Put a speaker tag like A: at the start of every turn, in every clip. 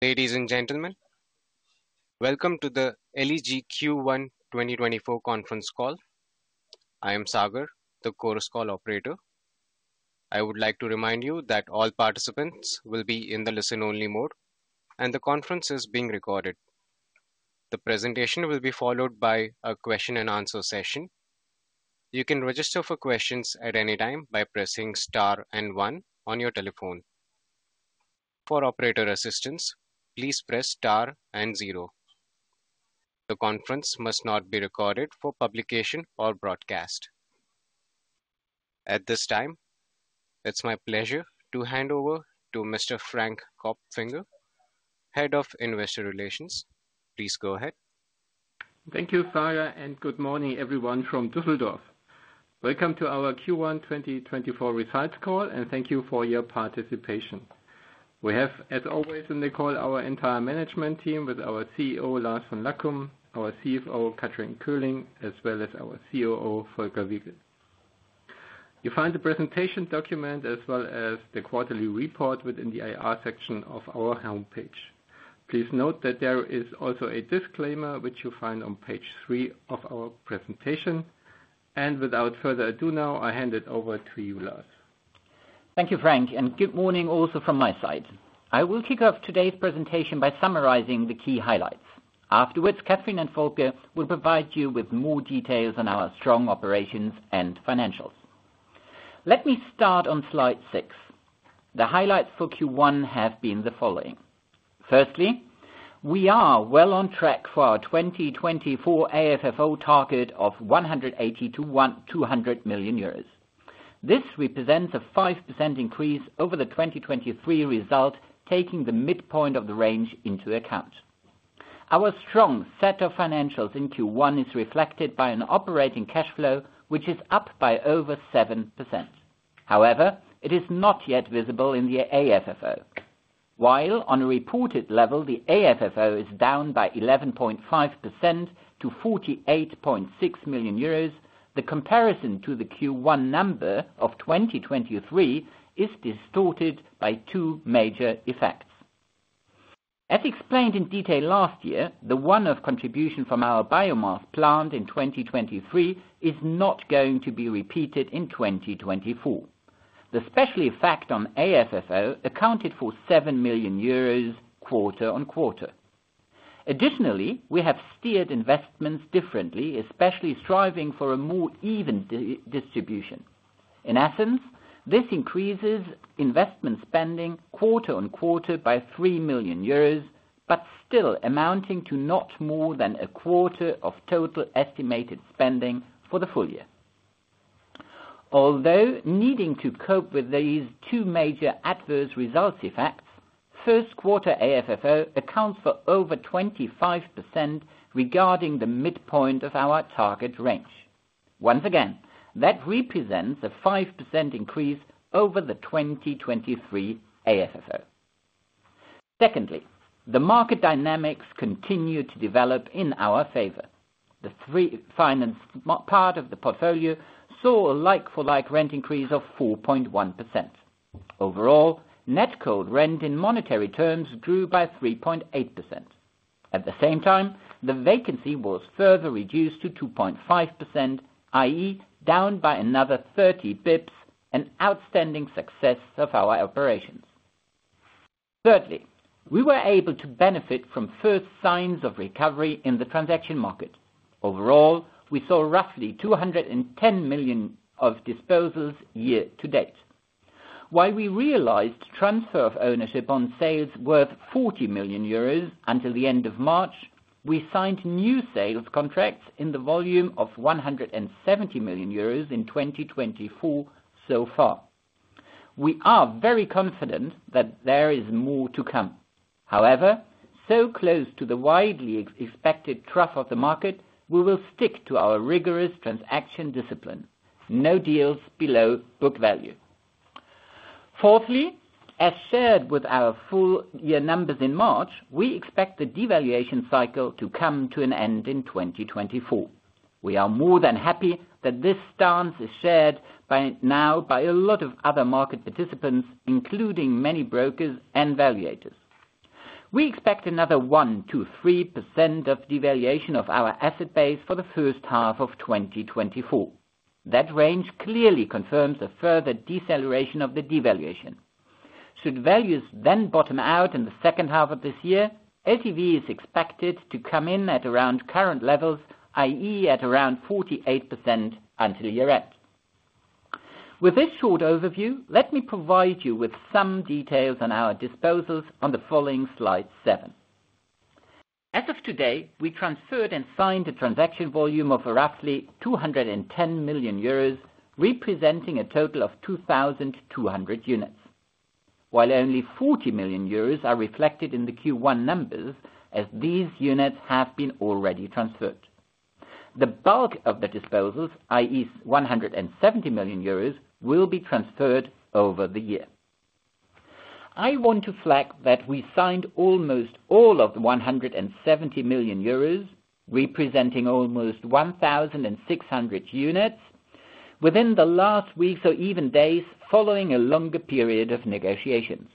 A: Ladies and gentlemen, welcome to the LEG Q1 2024 Conference Call. I am Sagar, the Chorus Call operator. I would like to remind you that all participants will be in the listen-only mode, and the conference is being recorded. The presentation will be followed by a question and answer session. You can register for questions at any time by pressing Star and One on your telephone. For operator assistance, please press Star and Zero. The conference must not be recorded for publication or broadcast. At this time, it's my pleasure to hand over to Mr. Frank Kopfinger, Head of Investor Relations. Please go ahead.
B: Thank you, Sagar, and good morning, everyone from Düsseldorf. Welcome to our Q1 2024 Results Call, and thank you for your participation. We have, as always, on the call, our entire management team with our CEO, Lars von Lackum, our CFO, Kathrin Köhling, as well as our COO, Volker Wiegel. You find the presentation document as well as the quarterly report within the IR section of our homepage. Please note that there is also a disclaimer, which you'll find on page three of our presentation. Without further ado now, I hand it over to you, Lars.
C: Thank you, Frank, and good morning also from my side. I will kick off today's presentation by summarizing the key highlights. Afterwards, Kathrin and Volker will provide you with more details on our strong operations and financials. Let me start on slide 6. The highlights for Q1 have been the following: firstly, we are well on track for our 2024 AFFO target of 180 million-200 million euros. This represents a 5% increase over the 2023 result, taking the midpoint of the range into account. Our strong set of financials in Q1 is reflected by an operating cash flow, which is up by over 7%. However, it is not yet visible in the AFFO. While on a reported level, the AFFO is down by 11.5% to 48.6 million euros, the comparison to the Q1 number of 2023 is distorted by two major effects. As explained in detail last year, the one-off contribution from our biomass plant in 2023 is not going to be repeated in 2024. The special effect on AFFO accounted for 7 million euros quarter-on-quarter. Additionally, we have steered investments differently, especially striving for a more even distribution. In essence, this increases investment spending quarter-on-quarter by 3 million euros, but still amounting to not more than a quarter of total estimated spending for the full year. Although needing to cope with these two major adverse results effects, first quarter AFFO accounts for over 25% regarding the midpoint of our target range. Once again, that represents a 5% increase over the 2023 AFFO. Secondly, the market dynamics continue to develop in our favor. The free finance part of the portfolio saw a like-for-like rent increase of 4.1%. Overall, net cold rent in monetary terms grew by 3.8%. At the same time, the vacancy was further reduced to 2.5%, i.e., down by another 30 basis points, an outstanding success of our operations. Thirdly, we were able to benefit from first signs of recovery in the transaction market. Overall, we saw roughly 210 million of disposals year to date. While we realized transfer of ownership on sales worth 40 million euros until the end of March, we signed new sales contracts in the volume of 170 million euros in 2024 so far. We are very confident that there is more to come. However, so close to the widely expected trough of the market, we will stick to our rigorous transaction discipline. No deals below book value. Fourthly, as shared with our full year numbers in March, we expect the devaluation cycle to come to an end in 2024. We are more than happy that this stance is shared by now by a lot of other market participants, including many brokers and valuators. We expect another 1%-3% of devaluation of our asset base for the first half of 2024. That range clearly confirms a further deceleration of the devaluation. Should values then bottom out in the second half of this year, LTV is expected to come in at around current levels, i.e., at around 48% until year-end. With this short overview, let me provide you with some details on our disposals on the following Slide 7. As of today, we transferred and signed a transaction volume of roughly 210 million euros, representing a total of 2,200 units. While only 40 million euros are reflected in the Q1 numbers, as these units have been already transferred. The bulk of the disposals, i.e., 170 million euros, will be transferred over the year. I want to flag that we signed almost all of the 170 million euros, representing almost 1,600 units.... within the last weeks or even days following a longer period of negotiations.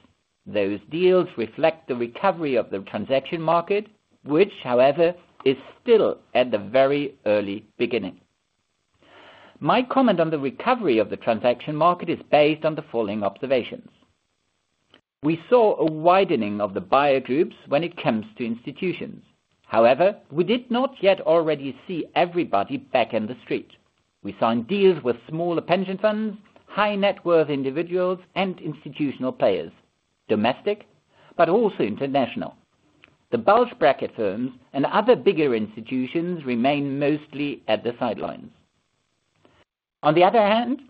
C: Those deals reflect the recovery of the transaction market, which, however, is still at the very early beginning. My comment on the recovery of the transaction market is based on the following observations: We saw a widening of the buyer groups when it comes to institutions. However, we did not yet already see everybody back in the street. We signed deals with smaller pension funds, high net worth individuals, and institutional players, domestic, but also international. The bulge bracket firms and other bigger institutions remain mostly at the sidelines. On the other hand,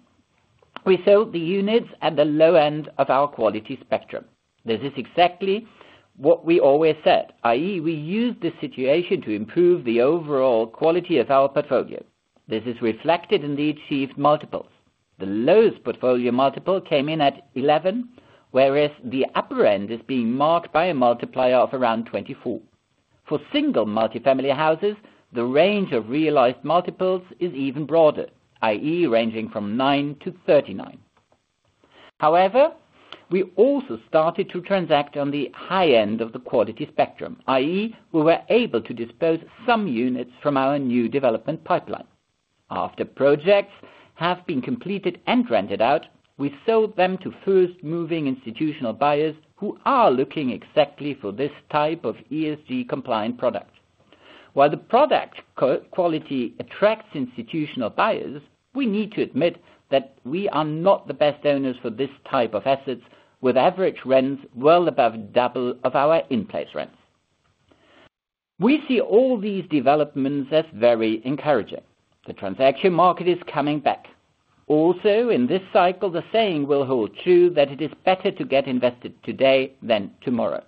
C: we sold the units at the low end of our quality spectrum. This is exactly what we always said, i.e., we used this situation to improve the overall quality of our portfolio. This is reflected in the achieved multiples. The lowest portfolio multiple came in at 11x, whereas the upper end is being marked by a multiplier of around 24x. For single multifamily houses, the range of realized multiples is even broader, i.e., ranging from 9-39. However, we also started to transact on the high end of the quality spectrum, i.e., we were able to dispose some units from our new development pipeline. After projects have been completed and rented out, we sold them to first moving institutional buyers who are looking exactly for this type of ESG compliant product. While the product quality attracts institutional buyers, we need to admit that we are not the best owners for this type of assets, with average rents well above double of our in-place rents. We see all these developments as very encouraging. The transaction market is coming back. Also, in this cycle, the saying will hold true that it is better to get invested today than tomorrow.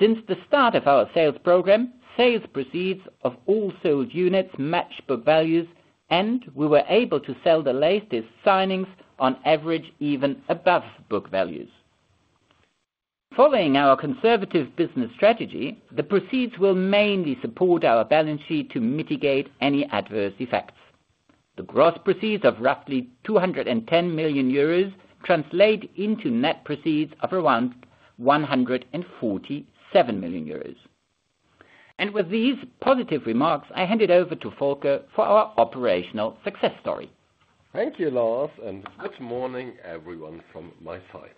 C: Since the start of our sales program, sales proceeds of all sold units match book values, and we were able to sell the latest signings on average, even above book values. Following our conservative business strategy, the proceeds will mainly support our balance sheet to mitigate any adverse effects. The gross proceeds of roughly 210 million euros translate into net proceeds of around 147 million euros. With these positive remarks, I hand it over to Volker for our operational success story.
D: Thank you, Lars, and good morning, everyone, from my side.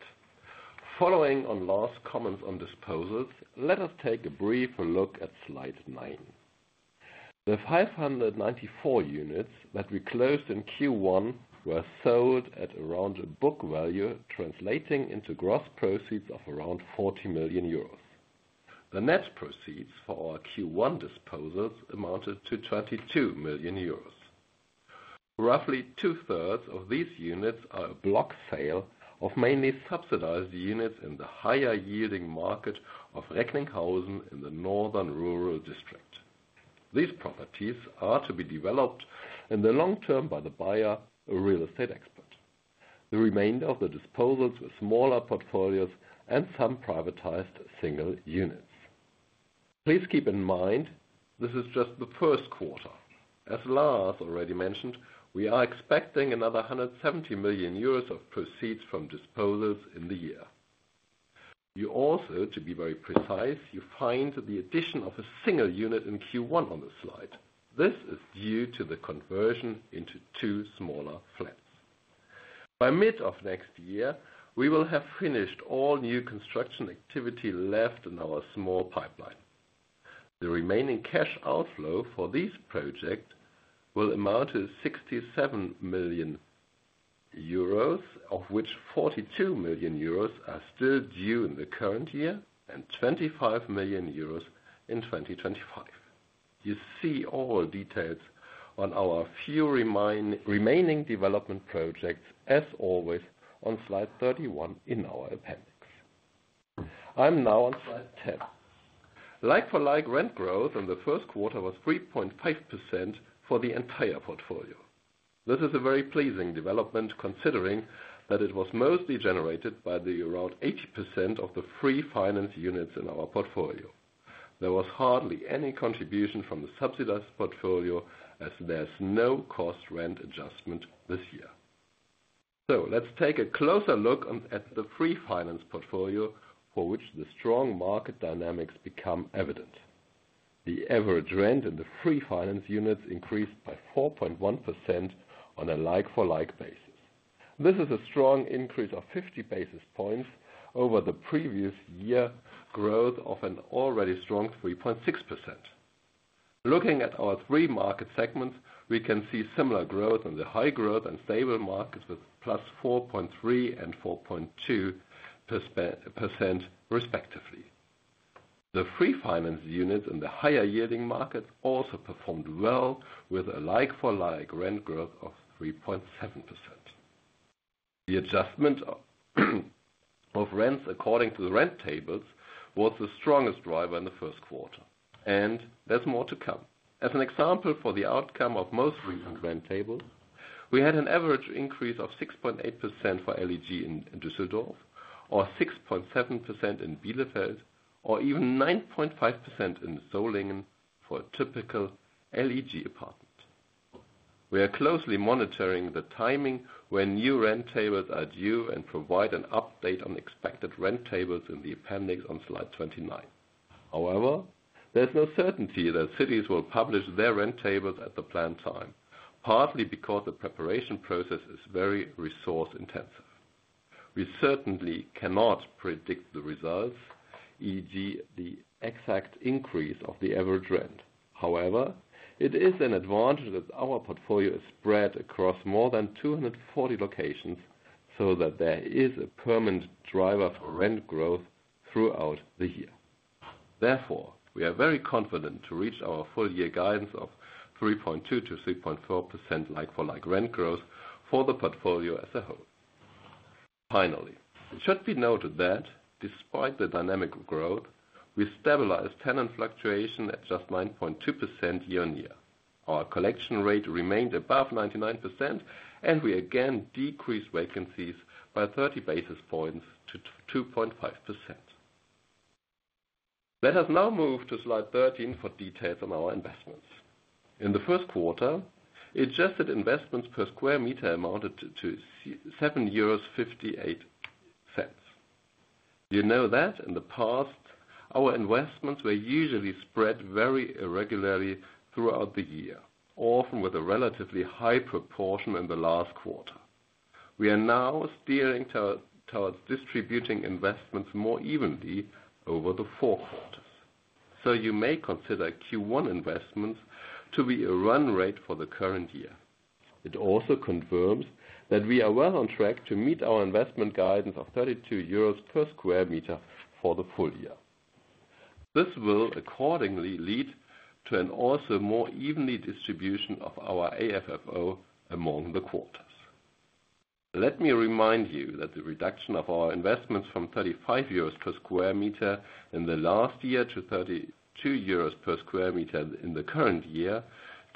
D: Following on Lars' comments on disposals, let us take a brief look at slide 9. The 594 units that we closed in Q1 were sold at around book value, translating into gross proceeds of around 40 million euros. The net proceeds for our Q1 disposals amounted to 22 million euros. Roughly two-thirds of these units are a block sale of mainly subsidized units in the higher-yielding market of Recklinghausen in the northern Ruhr district. These properties are to be developed in the long term by the buyer, a real estate expert. The remainder of the disposals were smaller portfolios and some privatized single units. Please keep in mind, this is just the first quarter. As Lars already mentioned, we are expecting another 170 million euros of proceeds from disposals in the year. You also, to be very precise, you find the addition of a single unit in Q1 on the slide. This is due to the conversion into two smaller flats. By mid of next year, we will have finished all new construction activity left in our small pipeline. The remaining cash outflow for this project will amount to 67 million euros, of which 42 million euros are still due in the current year and 25 million euros in 2025. You see all details on our remaining development projects, as always, on slide 31 in our appendix. I'm now on slide 10. Like-for-like, rent growth in the first quarter was 3.5% for the entire portfolio. This is a very pleasing development, considering that it was mostly generated by the around 80% of the free finance units in our portfolio. There was hardly any contribution from the subsidized portfolio as there's no cost rent adjustment this year. So let's take a closer look at the free finance portfolio, for which the strong market dynamics become evident. The average rent in the free finance units increased by 4.1% on a like-for-like basis. This is a strong increase of 50 basis points over the previous year growth of an already strong 3.6%. Looking at our three market segments, we can see similar growth in the high growth and stable markets with +4.3% and 4.2%, respectively. The free finance units in the higher-yielding market also performed well, with a like-for-like rent growth of 3.7%. The adjustment of rents according to the rent tables was the strongest driver in the first quarter, and there's more to come. As an example, for the outcome of most recent rent tables, we had an average increase of 6.8% for LEG in Düsseldorf, or 6.7% in Bielefeld, or even 9.5% in Solingen for a typical LEG apartment. We are closely monitoring the timing when new rent tables are due, and provide an update on expected rent tables in the appendix on slide 29. However, there's no certainty that cities will publish their rent tables at the planned time, partly because the preparation process is very resource intensive. We certainly cannot predict the results, e.g., the exact increase of the average rent. However, it is an advantage that our portfolio is spread across more than 240 locations, so that there is a permanent driver for rent growth throughout the year. Therefore, we are very confident to reach our full year guidance of 3.2%-6.4% like-for-like rent growth for the portfolio as a whole. Finally, it should be noted that despite the dynamic growth, we stabilized tenant fluctuation at just 9.2% year-on-year. Our collection rate remained above 99%, and we again decreased vacancies by 30 basis points to 2.5%. Let us now move to slide 13 for details on our investments. In the first quarter, adjusted investments per sq m amounted to 7.58 euros. You know that in the past, our investments were usually spread very irregularly throughout the year, often with a relatively high proportion in the last quarter. We are now steering towards distributing investments more evenly over the four quarters, so you may consider Q1 investments to be a run rate for the current year. It also confirms that we are well on track to meet our investment guidance of 32 euros per square meter for the full year. This will accordingly lead to an also more evenly distribution of our AFFO among the quarters. Let me remind you that the reduction of our investments from 35 euros per square meter in the last year to 32 euros per square meter in the current year,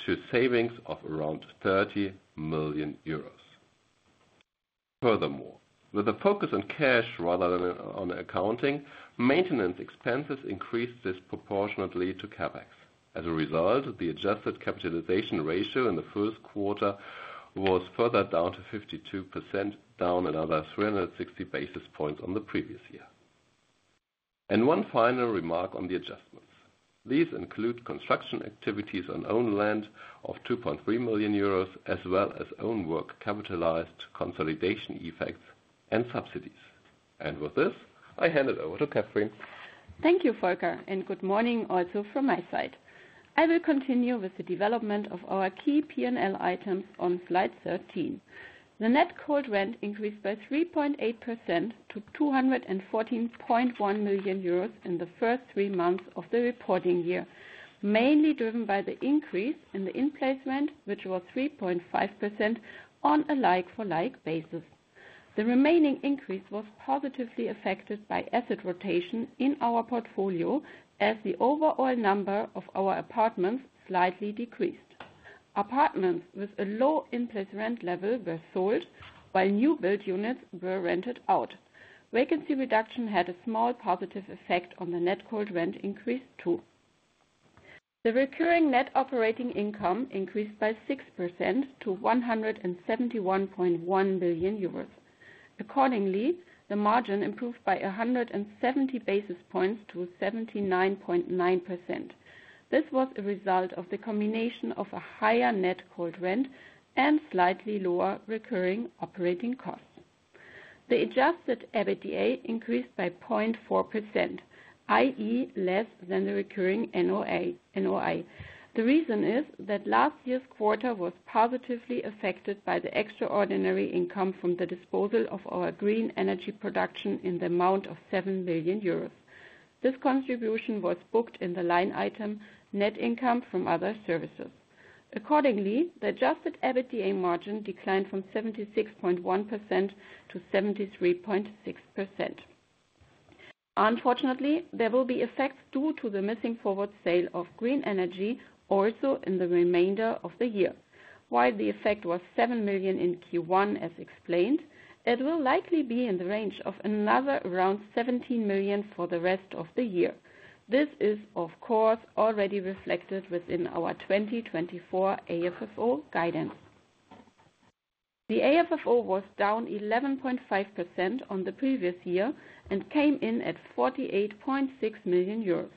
D: to savings of around 30 million euros. Furthermore, with a focus on cash rather than on accounting, maintenance expenses increased disproportionately to CapEx. As a result, the adjusted capitalization ratio in the first quarter was further down to 52%, down another 360 basis points on the previous year. One final remark on the adjustments. These include construction activities on own land of 2.3 million euros, as well as own work capitalized consolidation effects and subsidies. With this, I hand it over to Kathrin.
E: Thank you, Volker, and good morning also from my side. I will continue with the development of our key P&L items on slide 13. The net cold rent increased by 3.8% to 214.1 million euros in the first three months of the reporting year, mainly driven by the increase in the in-place rent, which was 3.5% on a like-for-like basis. The remaining increase was positively affected by asset rotation in our portfolio, as the overall number of our apartments slightly decreased. Apartments with a low in-place rent level were sold, while new build units were rented out. Vacancy reduction had a small positive effect on the net cold rent increase, too. The recurring net operating income increased by 6% to 171.1 million euros. Accordingly, the margin improved by 170 basis points to 79.9%. This was a result of the combination of a higher net cold rent and slightly lower recurring operating costs. The adjusted EBITDA increased by 0.4%, i.e., less than the recurring NOI. The reason is that last year's quarter was positively affected by the extraordinary income from the disposal of our green energy production in the amount of 7 million euros. This contribution was booked in the line item, net income from other services. Accordingly, the adjusted EBITDA margin declined from 76.1% to 73.6%. Unfortunately, there will be effects due to the missing forward sale of green energy also in the remainder of the year. While the effect was 7 million in Q1, as explained, it will likely be in the range of another around 17 million for the rest of the year. This is, of course, already reflected within our 2024 AFFO guidance. The AFFO was down 11.5% on the previous year and came in at 48.6 million euros.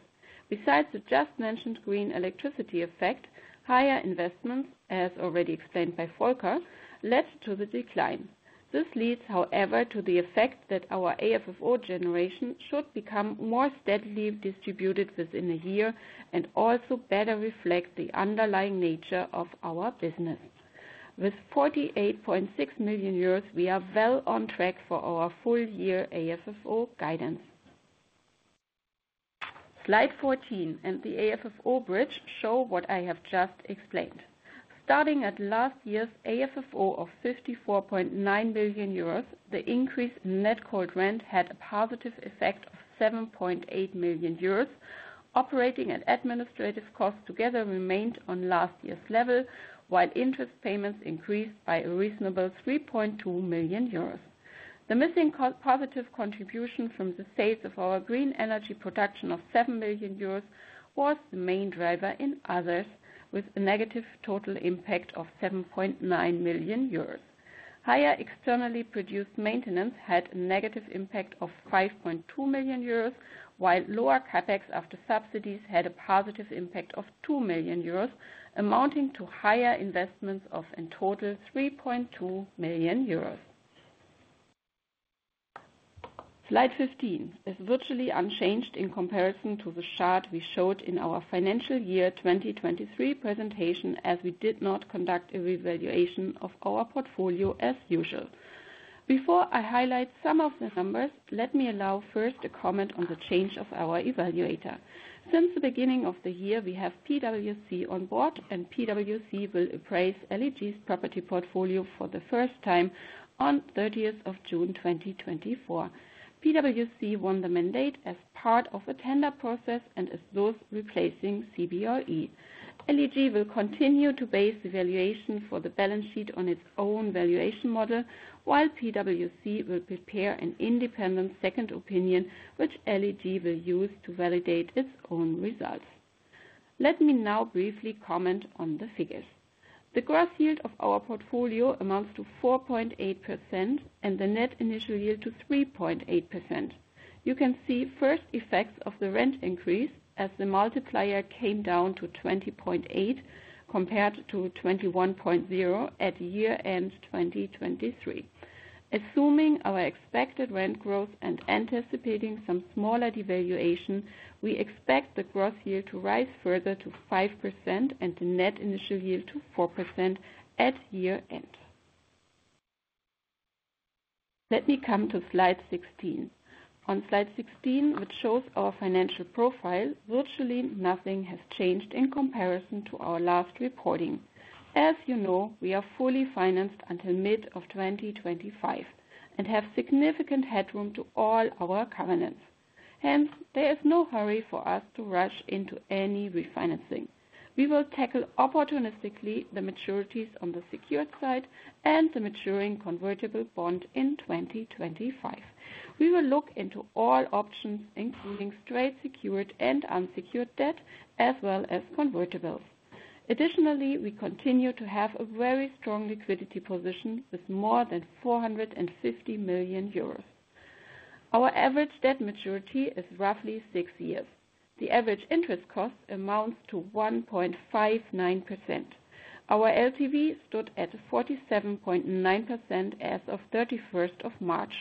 E: Besides the just mentioned green electricity effect, higher investments, as already explained by Volker, led to the decline. This leads, however, to the effect that our AFFO generation should become more steadily distributed within a year, and also better reflect the underlying nature of our business. With 48.6 million euros, we are well on track for our full year AFFO guidance. Slide 14, and the AFFO bridge show what I have just explained. Starting at last year's AFFO of 54.9 million euros, the increase in net cold rent had a positive effect of 7.8 million euros... operating and administrative costs together remained on last year's level, while interest payments increased by a reasonable 3.2 million euros. The missing positive contribution from the sales of our green energy production of 7 million euros was the main driver in others, with a negative total impact of 7.9 million euros. Higher externally produced maintenance had a negative impact of 5.2 million euros, while lower CapEx after subsidies had a positive impact of 2 million euros, amounting to higher investments of, in total, 3.2 million euros. Slide 15 is virtually unchanged in comparison to the chart we showed in our financial year 2023 presentation, as we did not conduct a revaluation of our portfolio as usual. Before I highlight some of the numbers, let me allow first a comment on the change of our evaluator. Since the beginning of the year, we have PwC on board, and PwC will appraise LEG's property portfolio for the first time on 30th of June, 2024. PwC won the mandate as part of a tender process and is thus replacing CBRE. LEG will continue to base the valuation for the balance sheet on its own valuation model, while PwC will prepare an independent second opinion, which LEG will use to validate its own results. Let me now briefly comment on the figures. The gross yield of our portfolio amounts to 4.8%, and the net initial yield to 3.8%. You can see first effects of the rent increase as the multiplier came down to 20.8, compared to 21.0 at year-end 2023. Assuming our expected rent growth and anticipating some smaller devaluation, we expect the gross yield to rise further to 5% and the net initial yield to 4% at year-end. Let me come to slide 16. On slide 16, which shows our financial profile, virtually nothing has changed in comparison to our last reporting. As you know, we are fully financed until mid of 2025 and have significant headroom to all our covenants. Hence, there is no hurry for us to rush into any refinancing. We will tackle opportunistically the maturities on the secured side and the maturing convertible bond in 2025. We will look into all options, including straight secured and unsecured debt, as well as convertibles. Additionally, we continue to have a very strong liquidity position with more than 450 million euros. Our average debt maturity is roughly six years. The average interest cost amounts to 1.59%. Our LTV stood at 47.9% as of March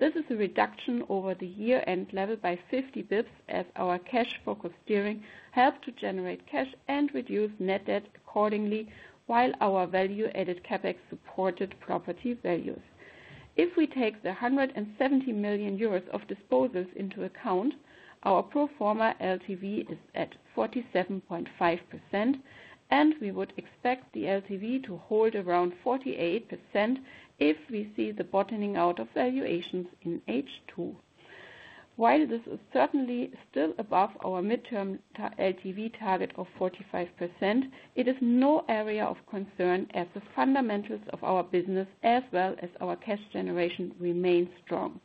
E: 31. This is a reduction over the year-end level by 50 basis points, as our cash-focused steering helped to generate cash and reduce net debt accordingly, while our value-added CapEx supported property values. If we take the 170 million euros of disposals into account, our pro forma LTV is at 47.5%, and we would expect the LTV to hold around 48% if we see the bottoming out of valuations in H2. While this is certainly still above our mid-term LTV target of 45%, it is no area of concern as the fundamentals of our business as well as our cash generation remain strong.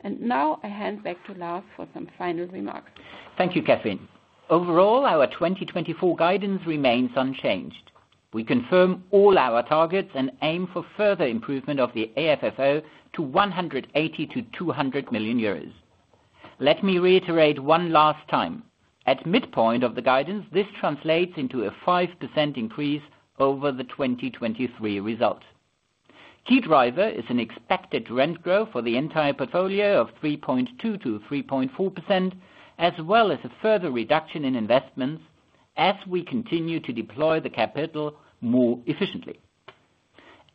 E: And now I hand back to Lars for some final remarks.
C: Thank you, Kathrin. Overall, our 2024 guidance remains unchanged. We confirm all our targets and aim for further improvement of the AFFO to 180 million-200 million euros. Let me reiterate one last time: at midpoint of the guidance, this translates into a 5% increase over the 2023 results. Key driver is an expected rent growth for the entire portfolio of 3.2%-3.4%, as well as a further reduction in investments as we continue to deploy the capital more efficiently.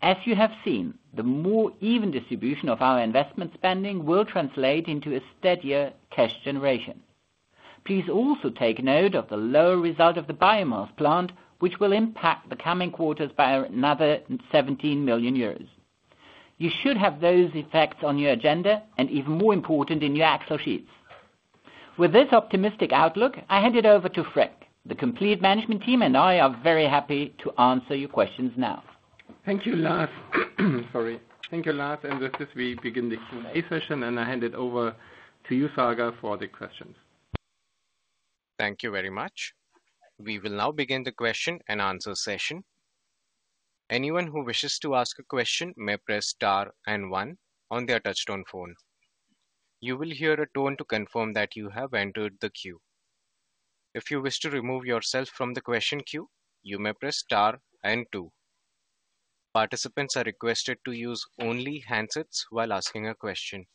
C: As you have seen, the more even distribution of our investment spending will translate into a steadier cash generation. Please also take note of the lower result of the biomass plant, which will impact the coming quarters by another 17 million euros. You should have those effects on your agenda and, even more important, in your Excel sheets. With this optimistic outlook, I hand it over to Frank. The complete management team and I are very happy to answer your questions now.
B: Thank you, Lars. Sorry. Thank you, Lars. With this, we begin the Q&A session, and I hand it over to you, Sagar, for the questions.
A: Thank you very much. We will now begin the question and answer session. Anyone who wishes to ask a question may press star and one on their touchtone phone. You will hear a tone to confirm that you have entered the queue. If you wish to remove yourself from the question queue, you may press star and two. Participants are requested to use only handsets while asking a question.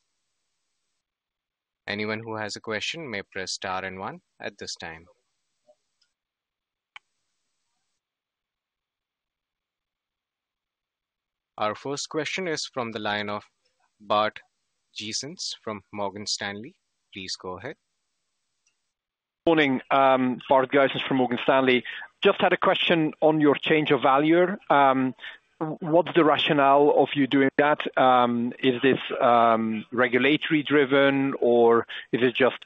A: Anyone who has a question may press star and one at this time. Our first question is from the line of Bart Gysens from Morgan Stanley. Please go ahead.
F: Morning, Bart Gysens from Morgan Stanley. Just had a question on your change of valuer. What's the rationale of you doing that? Is this regulatory driven, or is it just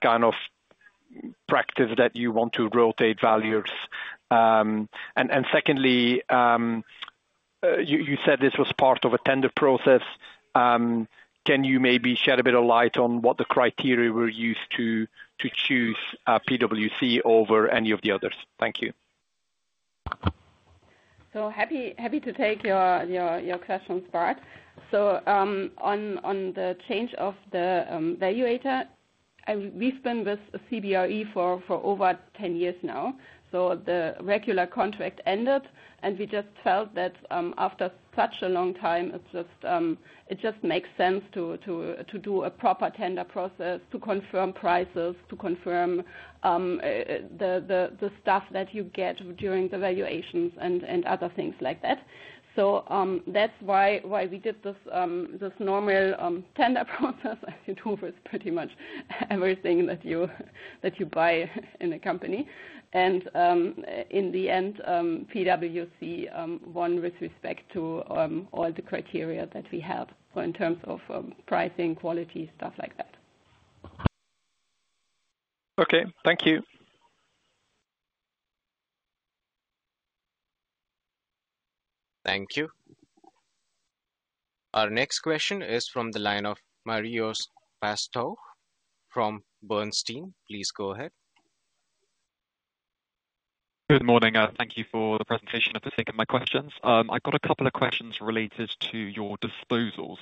F: practice that you want to rotate valuers? And secondly, you said this was part of a tender process. Can you maybe shed a bit of light on what the criteria were used to choose PwC over any of the others? Thank you.
E: So happy to take your questions, Bart. So, on the change of the valuator, and we've been with CBRE for over 10 years now. So the regular contract ended, and we just felt that after such a long time, it's just, it just makes sense to do a proper tender process, to confirm prices, to confirm the stuff that you get during the valuations and other things like that. So, that's why we did this normal tender process, as you do with pretty much everything that you buy in a company. And, in the end, PwC won with respect to all the criteria that we have in terms of pricing, quality, stuff like that.
F: Okay, thank you.
A: Thank you. Our next question is from the line of Marios Pastou from Société Générale. Please go ahead.
G: Good morning, thank you for the presentation. I just think of my questions. I've got a couple of questions related to your disposals.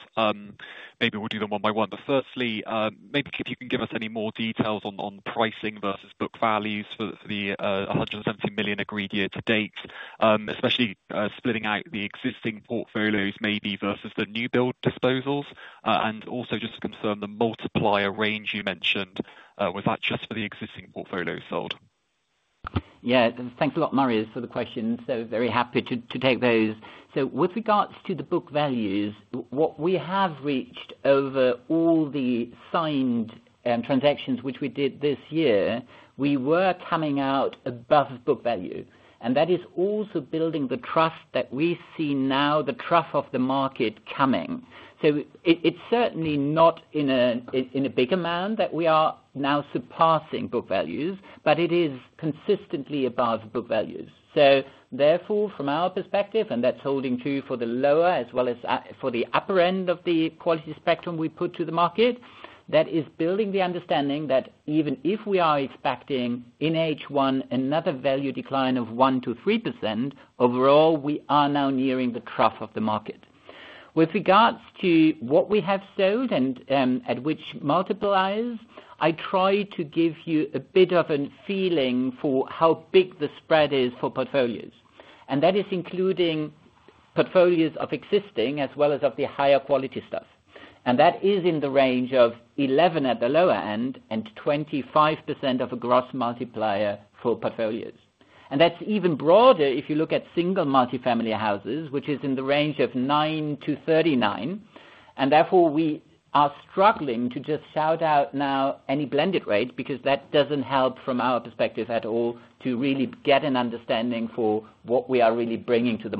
G: Maybe we'll do them one by one. But firstly, maybe if you can give us any more details on pricing versus book values for the 170 million agreed year to date, especially splitting out the existing portfolios maybe versus the new build disposals. And also just to confirm the multiplier range you mentioned, was that just for the existing portfolios sold?
C: Yeah, thanks a lot, Marios, for the questions. So very happy to take those. So with regards to the book values, what we have reached over all the signed transactions which we did this year, we were coming out above book value. And that is also building the trust that we see now, the trough of the market coming. So it's certainly not in a big amount that we are now surpassing book values, but it is consistently above book values. So therefore, from our perspective, and that's holding true for the lower as well as for the upper end of the quality spectrum we put to the market, that is building the understanding that even if we are expecting in H1 another value decline of 1%-3%, overall, we are now nearing the trough of the market. With regards to what we have sold and at which multipliers, I try to give you a bit of a feeling for how big the spread is for portfolios, and that is including portfolios of existing as well as of the higher quality stuff. That is in the range of 11 at the lower end and 25% of a gross multiplier for portfolios. That's even broader if you look at single multifamily houses, which is in the range of 9-39, and therefore we are struggling to just shout out now any blended rates, because that doesn't help from our perspective at all, to really get an understanding for what we are really bringing to the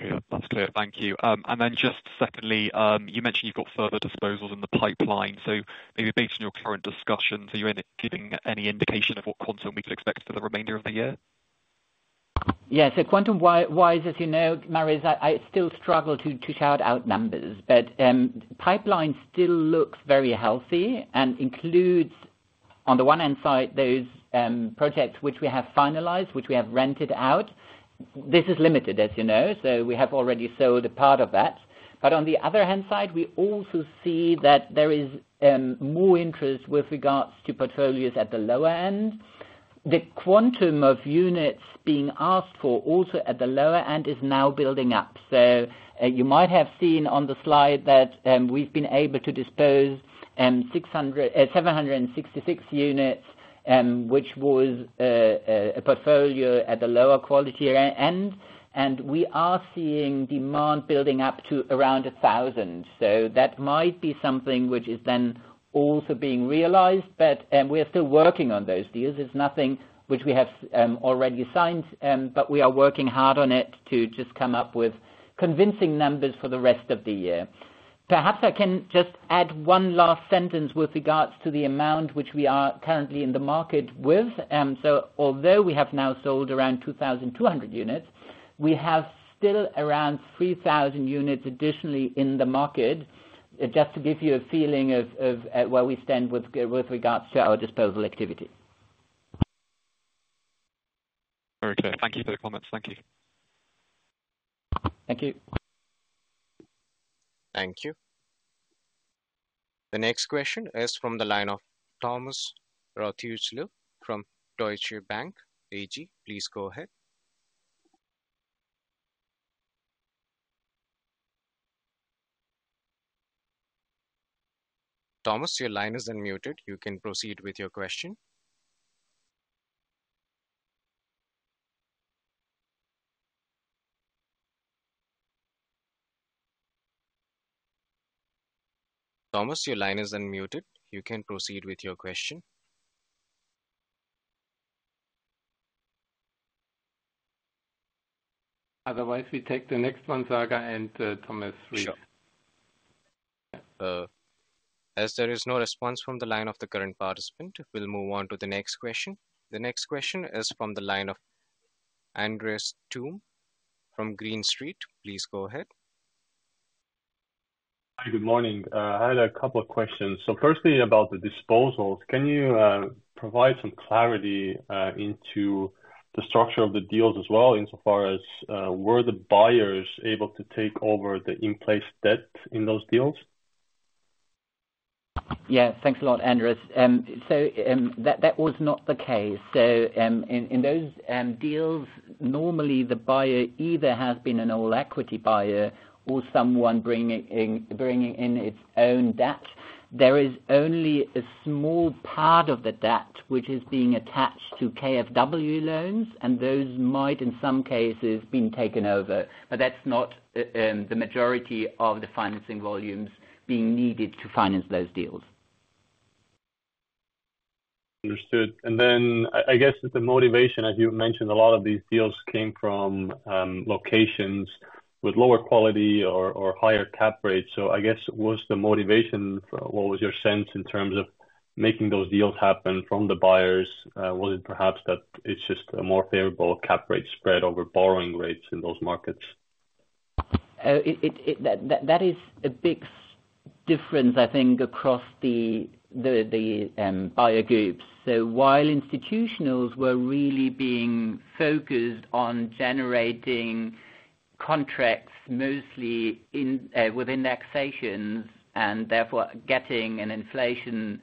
C: market.
G: Okay, that's clear. Thank you. And then just secondly, you mentioned you've got further disposals in the pipeline, so maybe based on your current discussions, are you giving any indication of what quantum we could expect for the remainder of the year?
C: Yeah, so quantity-wise, as you know, Marios, I still struggle to shout out numbers. But pipeline still looks very healthy and includes, on the one hand side, those projects which we have finalized, which we have rented out. This is limited, as you know, so we have already sold a part of that. But on the other hand side, we also see that there is more interest with regards to portfolios at the lower end. The quantum of units being asked for, also at the lower end, is now building up. So you might have seen on the slide that we've been able to dispose 766 units, which was a portfolio at the lower quality end, and we are seeing demand building up to around 1,000. So that might be something which is then also being realized, but we are still working on those deals. There's nothing which we have already signed, but we are working hard on it to just come up with convincing numbers for the rest of the year. Perhaps I can just add one last sentence with regards to the amount which we are currently in the market with. So although we have now sold around 2,200 units, we have still around 3,000 units additionally in the market. Just to give you a feeling of where we stand with regards to our disposal activity.
G: Very clear. Thank you for the comments. Thank you.
C: Thank you.
A: Thank you. The next question is from the line of Thomas Rothäusler from Deutsche Bank AG. Please go ahead. Thomas, your line is unmuted. You can proceed with your question. Thomas, your line is unmuted. You can proceed with your question.
B: Otherwise, we take the next one, Sagar and Thomas.
A: Sure. As there is no response from the line of the current participant, we'll move on to the next question. The next question is from the line of Andres Toome from Green Street. Please go ahead.
H: Hi, good morning. I had a couple of questions. So firstly, about the disposals, can you provide some clarity into the structure of the deals as well, insofar as were the buyers able to take over the in-place debt in those deals?
C: Yeah, thanks a lot, Andres. So, that was not the case. So, in those deals, normally the buyer either has been an all-equity buyer or someone bringing in its own debt. There is only a small part of the debt which is being attached to KfW loans, and those might, in some cases, been taken over, but that's not the majority of the financing volumes being needed to finance those deals.
H: Understood. And then I guess the motivation, as you mentioned, a lot of these deals came from locations with lower quality or higher cap rates. So I guess, what's the motivation? What was your sense in terms of making those deals happen from the buyers? Was it perhaps that it's just a more favorable cap rate spread over borrowing rates in those markets?
C: That is a big difference, I think, across the buyer groups. So while institutionals were really being focused on generating contracts mostly in with indexations, and therefore getting an inflation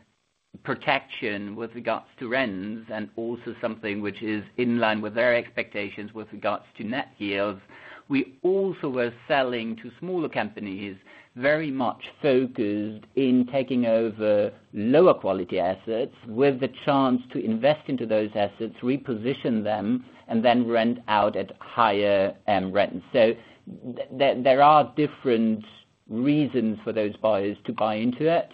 C: protection with regards to rents and also something which is in line with their expectations with regards to net yields. We also were selling to smaller companies, very much focused in taking over lower quality assets, with the chance to invest into those assets, reposition them, and then rent out at higher rents. So there are different reasons for those buyers to buy into it.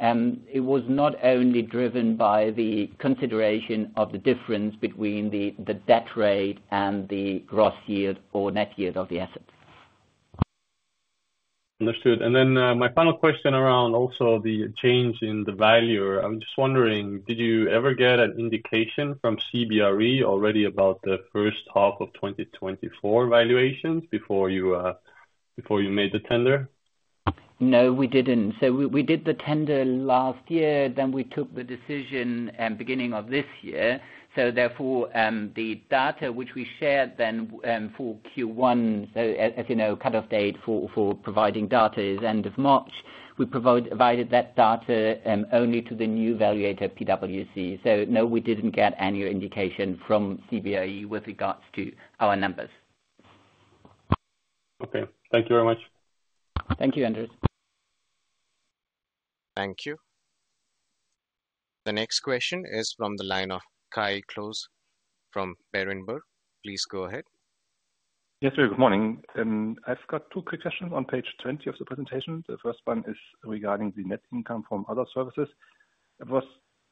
C: It was not only driven by the consideration of the difference between the debt rate and the gross yield or net yield of the assets.
H: Understood. And then, my final question around also the change in the valuer. I'm just wondering, did you ever get an indication from CBRE already about the first half of 2024 valuations before you, before you made the tender?
C: No, we didn't. So we did the tender last year, then we took the decision, beginning of this year. So therefore, the data which we shared then, for Q1, so as you know, cut-off date for providing data is end of March. We provided that data, only to the new valuator, PwC. So no, we didn't get any indication from CBRE with regards to our numbers.
H: Okay. Thank you very much.
C: Thank you, Andres.
A: Thank you. The next question is from the line of Kai Klose from Berenberg. Please go ahead.
I: Yes, sir. Good morning. I've got two quick questions on page 20 of the presentation. The first one is regarding the net income from other services. I was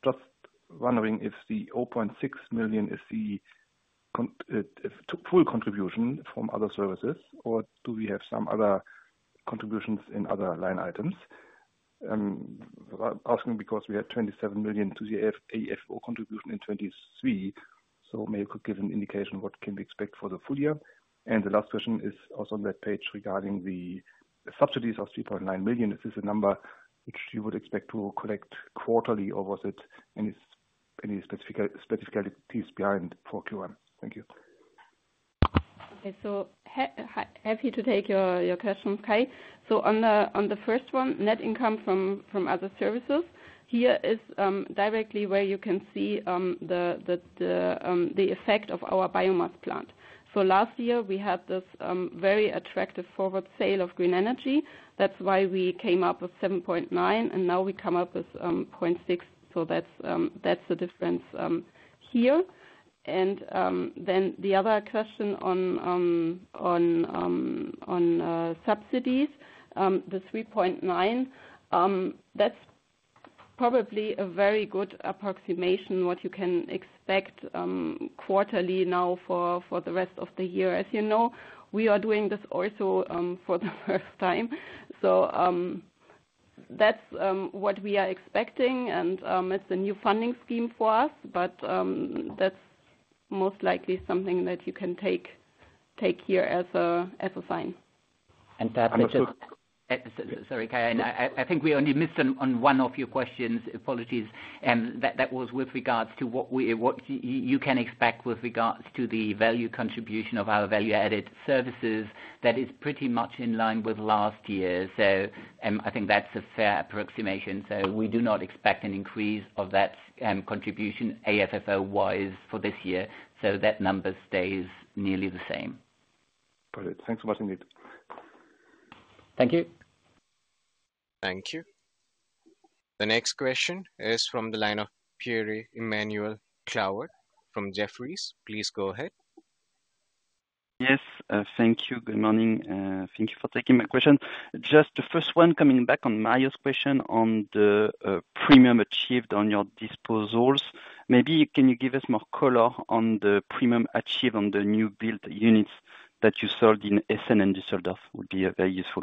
I: just wondering if the 0.6 million is the full contribution from other services, or do we have some other contributions in other line items? I'm asking because we had 27 million to the AFFO contribution in 2023, so maybe you could give an indication what can we expect for the full year. And the last question is also on that page regarding the subsidies of 3.9 million. Is this a number which you would expect to collect quarterly, or was it any specificities behind for Q1? Thank you.
E: Okay. So, happy to take your questions, Kai. So on the first one, net income from other services, here is directly where you can see the effect of our biomass plant. So last year we had this very attractive forward sale of green energy. That's why we came up with 7.9, and now we come up with 0.6. So that's the difference here. And then the other question on subsidies, the 3.9, that's probably a very good approximation, what you can expect quarterly now for the rest of the year. As you know, we are doing this also for the first time. So, that's what we are expecting, and it's a new funding scheme for us. But, that's most likely something that you can take here as a sign.
I: And that.
C: Sorry, Kai. I think we only missed on one of your questions. Apologies. That was with regards to what you can expect with regards to the value contribution of our value-added services. That is pretty much in line with last year, so I think that's a fair approximation. So we do not expect an increase of that contribution, AFFO-wise, for this year. So that number stays nearly the same.
I: Got it. Thanks very much indeed.
C: Thank you.
A: Thank you. The next question is from the line of Pierre-Emmanuel Clouard from Jefferies. Please go ahead.
J: Yes, thank you. Good morning, thank you for taking my question. Just the first one, coming back on Mario's question on the premium achieved on your disposals. Maybe can you give us more color on the premium achieved on the new build units that you sold in Essen and Düsseldorf would be very useful.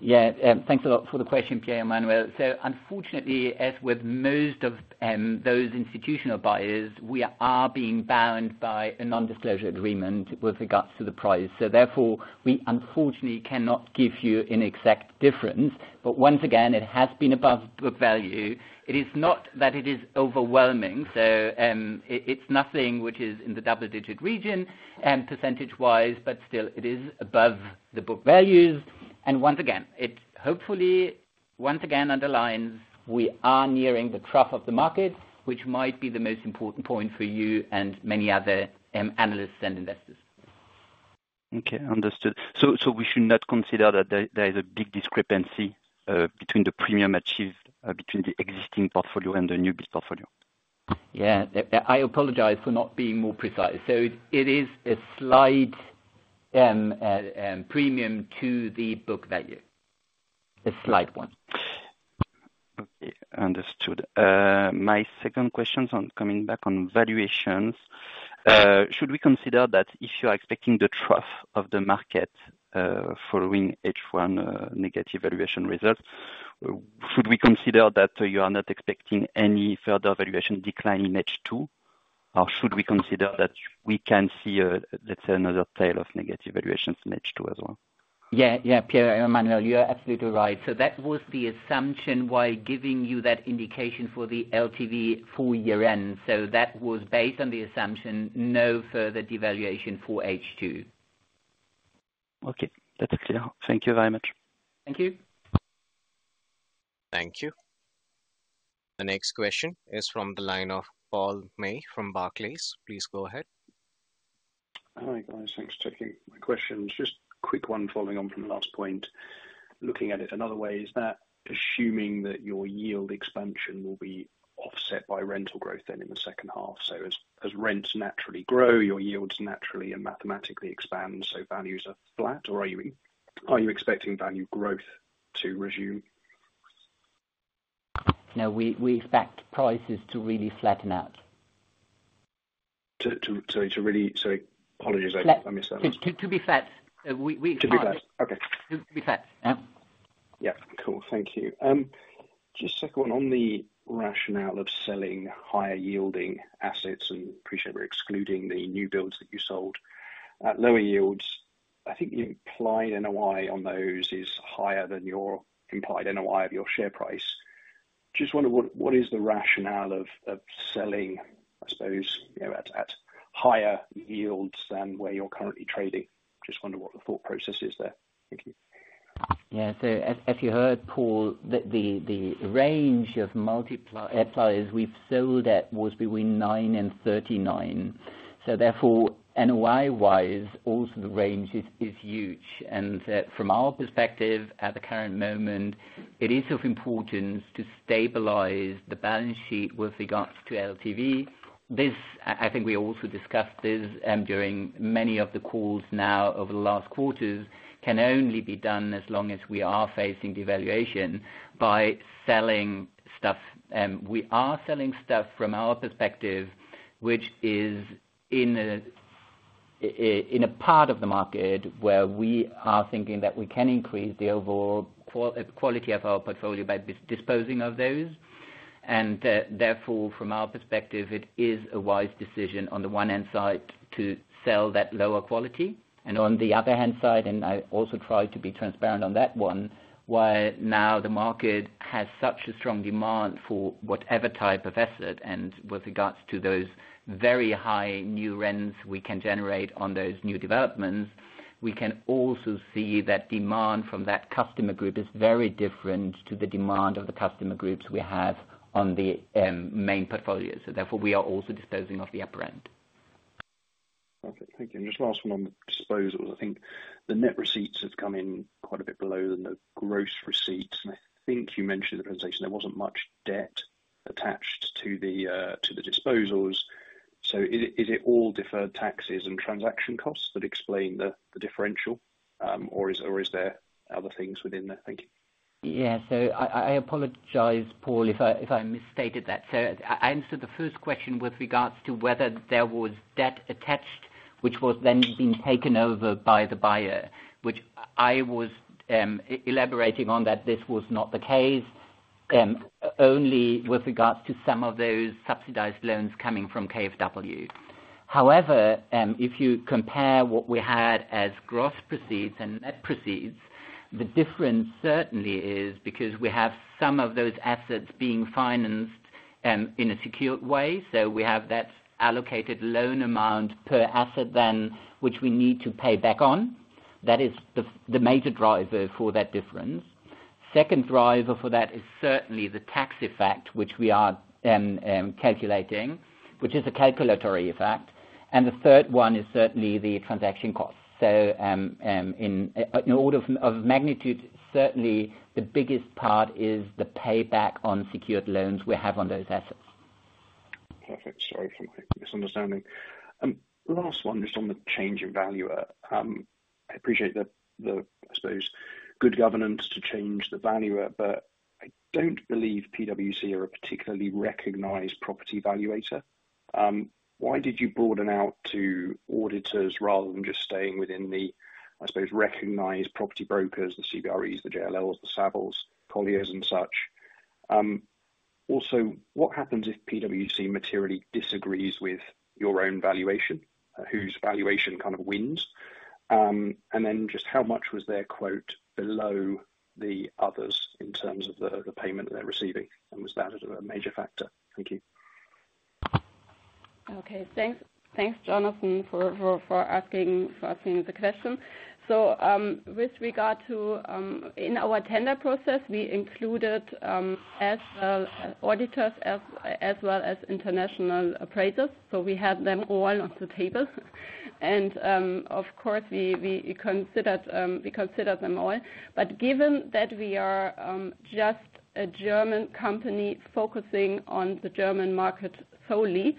C: Yeah, thanks a lot for the question, Pierre-Emmanuel. So unfortunately, as with most of those institutional buyers, we are being bound by a non-disclosure agreement with regards to the price. So therefore, we unfortunately cannot give you an exact difference, but once again, it has been above book value. It is not that it is overwhelming, so it, it's nothing which is in the double digit region, percentage wise, but still it is above the book values. And once again, it hopefully once again underlines we are nearing the trough of the market, which might be the most important point for you and many other analysts and investors.
J: Okay, understood. So we should not consider that there is a big discrepancy between the premium achieved between the existing portfolio and the new build portfolio?
C: Yeah. I apologize for not being more precise. So it is a slight premium to the book value. A slight one.
J: Okay, understood. My second question's on coming back on valuations. Should we consider that if you are expecting the trough of the market, following H1, negative valuation results, should we consider that you are not expecting any further valuation decline in H2? Or should we consider that we can see, let's say, another tail of negative valuations in H2 as well?
C: Yeah, yeah, Pierre-Emmanuel, you're absolutely right. So that was the assumption why giving you that indication for the LTV full year end. So that was based on the assumption, no further devaluation for H2.
J: Okay, that's clear. Thank you very much.
C: Thank you.
A: Thank you. The next question is from the line of Paul May from Barclays. Please go ahead.
K: Hi, guys. Thanks for taking my questions. Just a quick one following on from the last point. Looking at it another way, is that assuming that your yield expansion will be offset by rental growth then in the second half, so as, as rents naturally grow, your yields naturally and mathematically expand, so values are flat, or are you, are you expecting value growth to resume?
C: No, we expect prices to really flatten out.
K: So, apologies, I missed that.
C: To be flat. We.
K: To be flat. Okay.
C: To be flat. Yeah.
K: Yeah. Cool. Thank you. Just second one on the rationale of selling higher yielding assets, and appreciate we're excluding the new builds that you sold. At lower yields, I think the implied NOI on those is higher than your implied NOI of your share price. Just wonder, what is the rationale of selling, I suppose, you know, at higher yields than where you're currently trading? Just wonder what the thought process is there. Thank you.
C: Yeah. So as you heard, Paul, that the range of multipliers we've sold at was between 9 and 39. So therefore, NOI-wise, also the range is huge. And from our perspective, at the current moment, it is of importance to stabilize the balance sheet with regards to LTV. This, I think we also discussed this during many of the calls now over the last quarters, can only be done as long as we are facing devaluation by selling stuff. We are selling stuff from our perspective, which is in a part of the market, where we are thinking that we can increase the overall quality of our portfolio by disposing of those. And, therefore, from our perspective, it is a wise decision, on the one hand side, to sell that lower quality, and on the other hand side, and I also try to be transparent on that one, why now the market has such a strong demand for whatever type of asset, and with regards to those very high new rents we can generate on those new developments, we can also see that demand from that customer group is very different to the demand of the customer groups we have on the main portfolio. So therefore, we are also disposing of the upper end.
K: Okay, thank you. And just last one on the disposals. I think the net receipts have come in quite a bit below the gross receipts, and I think you mentioned in the presentation there wasn't much debt attached to the disposals. So is it all deferred taxes and transaction costs that explain the differential? Or is there other things within there? Thank you.
C: Yeah. So I apologize, Paul, if I misstated that. So I answered the first question with regards to whether there was debt attached, which was then being taken over by the buyer, which I was elaborating on that this was not the case, only with regards to some of those subsidized loans coming from KfW. However, if you compare what we had as gross proceeds and net proceeds, the difference certainly is because we have some of those assets being financed in a secured way. So we have that allocated loan amount per asset then, which we need to pay back on. That is the major driver for that difference. Second driver for that is certainly the tax effect, which we are calculating, which is a calculatory effect. And the third one is certainly the transaction cost. So, in order of magnitude, certainly the biggest part is the payback on secured loans we have on those assets.
K: Perfect. Sorry for the misunderstanding. Last one, just on the change in valuer. I appreciate the, the, I suppose, good governance to change the valuer, but I don't believe PwC are a particularly recognized property valuator. Why did you broaden out to auditors rather than just staying within the, I suppose, recognized property brokers, the CBRE, the JLLs, the Savills, Colliers, and such? Also, what happens if PwC materially disagrees with your own valuation? Whose valuation kind of wins? And then just how much was their quote below the others in terms of the, the payment they're receiving, and was that a, a major factor? Thank you.
E: Okay. Thanks, Jonathan, for asking the question. So, with regard to in our tender process, we included auditors as well as international appraisers. So we had them all on the table. And, of course, we considered them all. But given that we are just a German company focusing on the German market solely,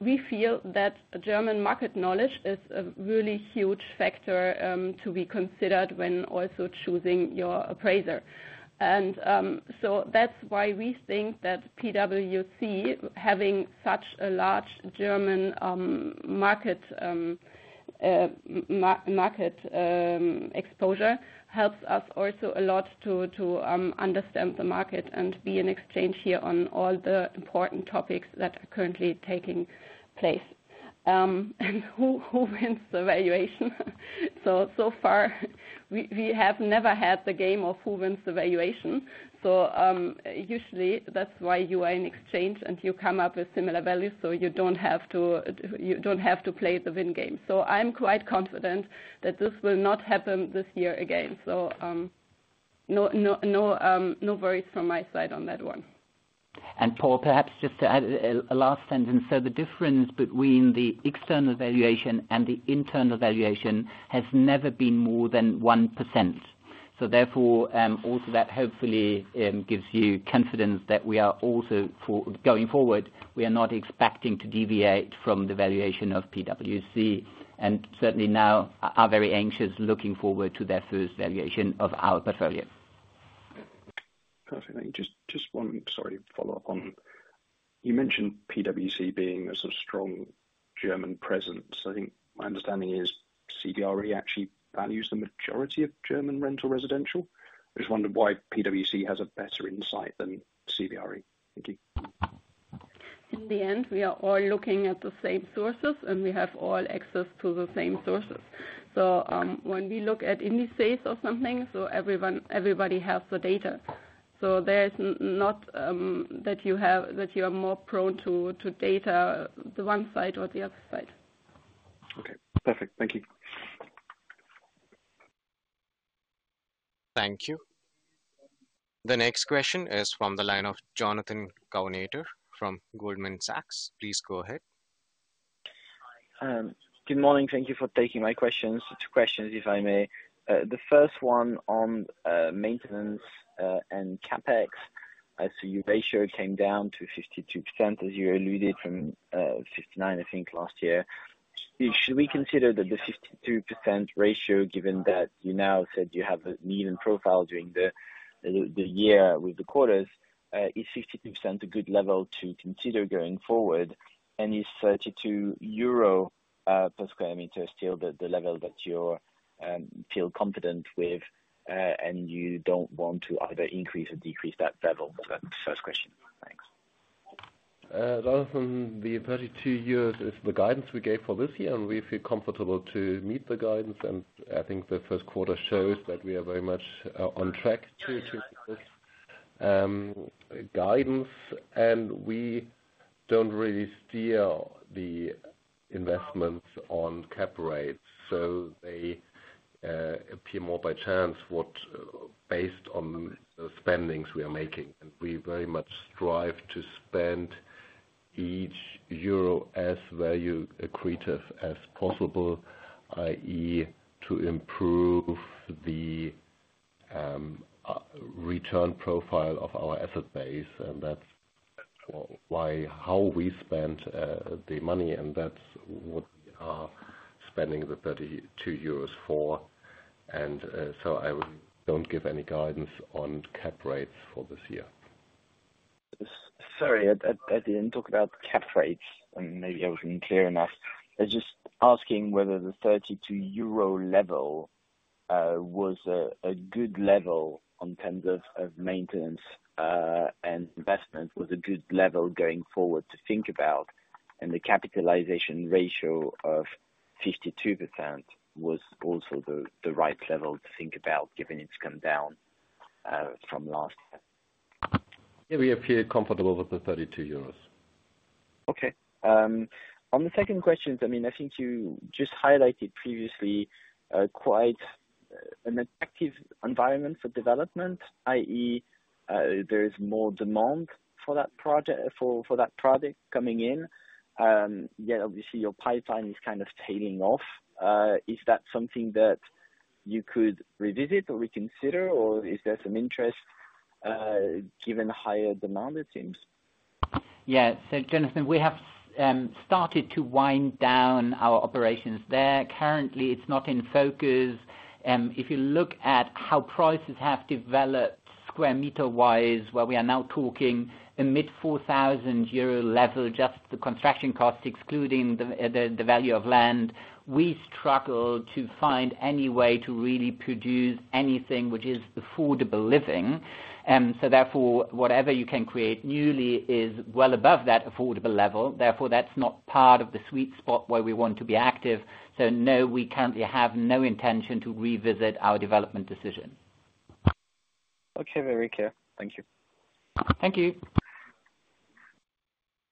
E: we feel that German market knowledge is a really huge factor to be considered when also choosing your appraiser. And, so that's why we think that PwC, having such a large German market exposure, helps us also a lot to understand the market and be in exchange here on all the important topics that are currently taking place. And who wins the valuation? So far, we have never had the game of who wins the valuation. So, usually that's why you are in exchange, and you come up with similar values, so you don't have to play the win game. So I'm quite confident that this will not happen this year again. So, no, no, no, no worries from my side on that one.
C: Paul, perhaps just to add a last sentence. So the difference between the external valuation and the internal valuation has never been more than 1%. So therefore, also that hopefully gives you confidence that we are also going forward, we are not expecting to deviate from the valuation of PwC, and certainly now are very anxious looking forward to their first valuation of our portfolio.
K: Perfect. Thank you. Just one, sorry, follow-up on... You mentioned PwC being a sort of strong German presence. I think my understanding is CBRE actually values the majority of German rental residential. I just wondered why PwC has a better insight than CBRE. Thank you.
E: In the end, we are all looking at the same sources, and we have all access to the same sources. So, when we look at indices or something, so everyone, everybody has the data. So there's not that you have, that you are more prone to, to data, the one side or the other side.
K: Okay, perfect. Thank you.
A: Thank you. The next question is from the line of Jonathan Kownator from Goldman Sachs. Please go ahead.
L: Good morning. Thank you for taking my questions. Two questions, if I may. The first one on maintenance and CapEx. I see your ratio came down to 52%, as you alluded, from 59, I think, last year. Should we consider that the 52% ratio, given that you now said you have a median profile during the year with the quarters, is 52% a good level to consider going forward? And is 32 euro per square meter still the level that you feel confident with, and you don't want to either increase or decrease that level? So, first question. Thanks.
D: Jonathan, the 32 is the guidance we gave for this year, and we feel comfortable to meet the guidance. I think the first quarter shows that we are very much on track to guidance, and we don't really steer the investments on cap rates. So they appear more by chance, based on the spending we are making. We very much strive to spend each euro as value accretive as possible, i.e., to improve the return profile of our asset base, and that's why how we spend the money, and that's what we are spending the 32 euros for. So I would not give any guidance on cap rates for this year.
L: Sorry, I didn't talk about cap rates, and maybe I wasn't clear enough. I was just asking whether the 32 euro level was a good level in terms of maintenance and investment, was a good level going forward to think about, and the capitalization ratio of 52% was also the right level to think about, given it's come down from last year?
D: Yeah, we appear comfortable with the 32 euros.
L: Okay, on the second question, I mean, I think you just highlighted previously, quite an active environment for development, i.e., there is more demand for that project, for, for that product coming in. Yet obviously, your pipeline is kind of tailing off. Is that something that you could revisit or reconsider, or is there some interest, given the higher demand, it seems?
C: Yeah. So, Jonathan, we have started to wind down our operations there. Currently, it's not in focus. If you look at how prices have developed square meter-wise, where we are now talking a mid-EUR 4,000 level, just the construction cost, excluding the value of land. We struggle to find any way to really produce anything which is affordable living. So therefore, whatever you can create newly is well above that affordable level. Therefore, that's not part of the sweet spot where we want to be active. So, no, we currently have no intention to revisit our development decision.
L: Okay, very clear. Thank you.
C: Thank you.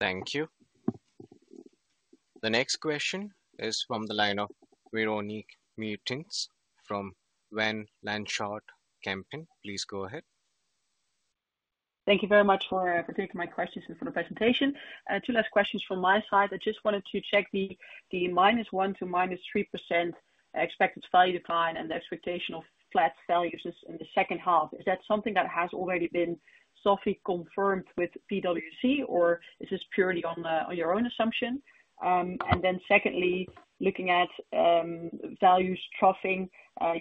A: Thank you. The next question is from the line of Véronique Meertens from Van Lanschot Kempen. Please go ahead.
M: Thank you very much for taking my questions and for the presentation. Two last questions from my side. I just wanted to check the minus one to minus three percent expected value decline and the expectation of flat values in the second half. Is that something that has already been softly confirmed with PwC, or is this purely on your own assumption? And then secondly, looking at values troughing,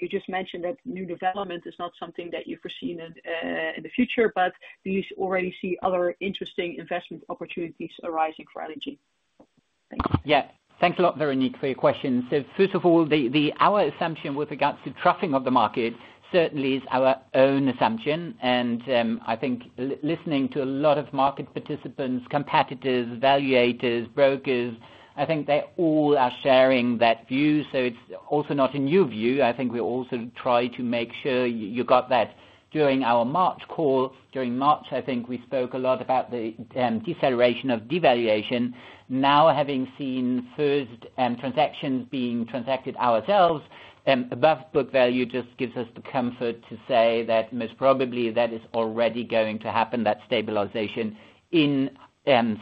M: you just mentioned that new development is not something that you foresee in the future, but do you already see other interesting investment opportunities arising for LEG? Thank you.
C: Yeah. Thanks a lot, Veronique, for your questions. So first of all, our assumption with regards to troughing of the market certainly is our own assumption, and, I think listening to a lot of market participants, competitors, valuators, brokers, I think they all are sharing that view. So it's also not a new view. I think we also try to make sure you got that. During our March call, during March, I think we spoke a lot about the, deceleration of devaluation. Now, having seen first, transactions being transacted ourselves, above book value, just gives us the comfort to say that most probably that is already going to happen, that stabilization in,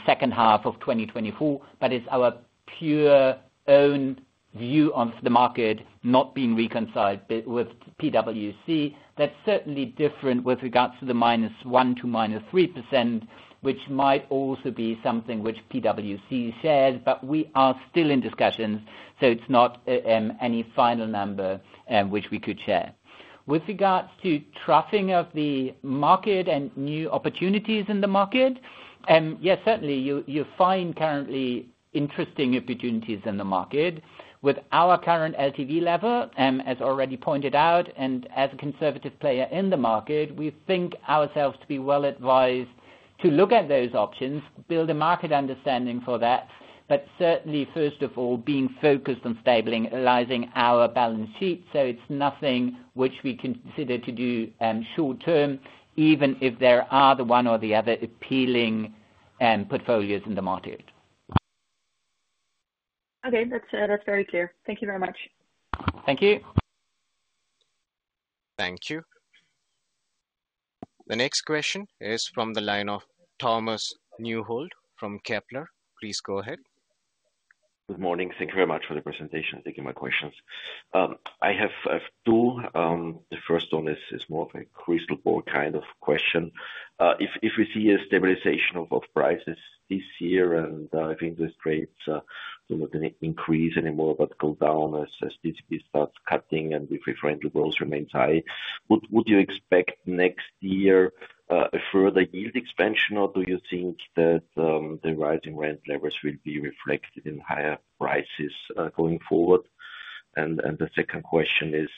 C: second half of 2024. But it's our pure own view of the market, not being reconciled with PwC. That's certainly different with regards to the -1% to -3%, which might also be something which PwC shares, but we are still in discussions, so it's not any final number which we could share. With regards to troughing of the market and new opportunities in the market, yes, certainly you find currently interesting opportunities in the market. With our current LTV level, as already pointed out, and as a conservative player in the market, we think ourselves to be well advised to look at those options, build a market understanding for that, but certainly, first of all, being focused on stabilizing our balance sheet. So it's nothing which we consider to do short-term, even if there are the one or the other appealing portfolios in the market.
M: Okay, that's, that's very clear. Thank you very much.
C: Thank you.
A: Thank you. The next question is from the line of Thomas Neuhold from Kepler. Please go ahead.
N: Good morning. Thank you very much for the presentation. Thank you for my questions. I have two. The first one is more of a crystal ball kind of question. If we see a stabilization of prices this year and if interest rates are not going to increase anymore, but go down as ECB starts cutting and if rental growth remains high, would you expect next year a further yield expansion, or do you think that the rising rent levels will be reflected in higher prices going forward? And the second question is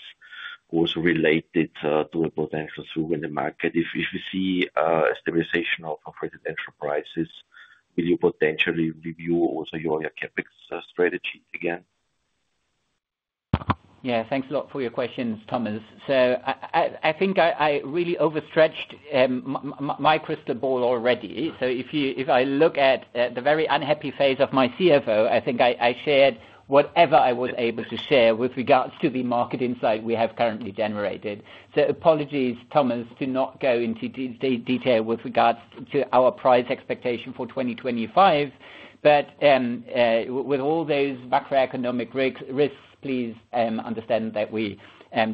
N: also related to a potential move in the market. If you see a stabilization of residential prices, will you potentially review also your CapEx strategy again?
C: Yeah. Thanks a lot for your questions, Thomas. So I think I really overstretched my crystal ball already. So if you—if I look at the very unhappy face of my CFO, I think I shared whatever I was able to share with regards to the market insight we have currently generated. So apologies, Thomas, to not go into detail with regards to our price expectation for 2025, but with all those macroeconomic risks, please understand that we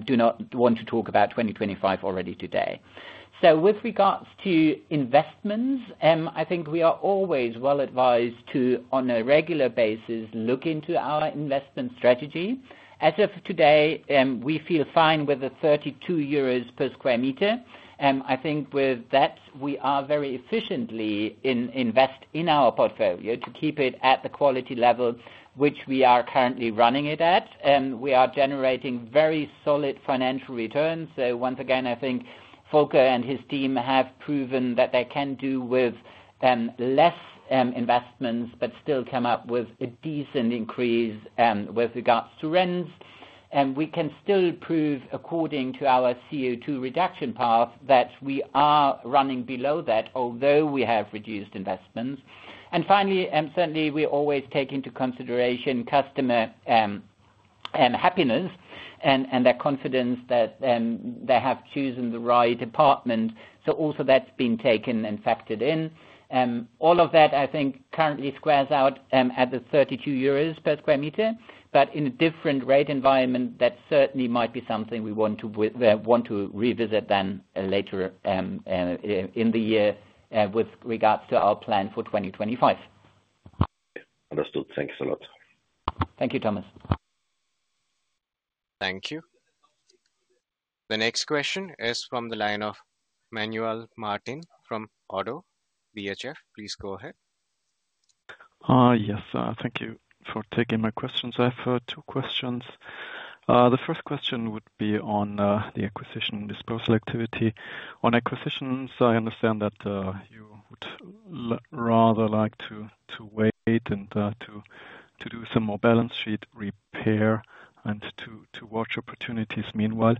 C: do not want to talk about 2025 already today. So with regards to investments, I think we are always well advised to, on a regular basis, look into our investment strategy. As of today, we feel fine with the 32 euros per square meter. I think with that we are very efficiently invest in our portfolio to keep it at the quality level which we are currently running it at. We are generating very solid financial returns. So once again, I think Volker and his team have proven that they can do with less investments, but still come up with a decent increase with regards to rents. And we can still prove, according to our CO2 reduction path, that we are running below that, although we have reduced investments. And finally, certainly we always take into consideration customer and happiness and their confidence that they have chosen the right apartment. So also that's been taken and factored in. All of that, I think, currently squares out at 32 euros per square meter. But in a different rate environment, that certainly might be something we want to revisit then later, in the year, with regards to our plan for 2025.
N: Understood. Thanks a lot.
C: Thank you, Thomas.
A: Thank you. The next question is from the line of Manuel Martin from Oddo BHF. Please go ahead.
O: Yes, thank you for taking my questions. I have two questions. The first question would be on the acquisition disposal activity. On acquisitions, I understand that you would rather like to wait and to do some more balance sheet repair and to watch opportunities meanwhile.